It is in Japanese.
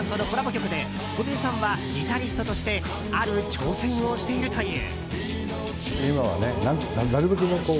曲で布袋さんはギタリストとしてある挑戦をしているという。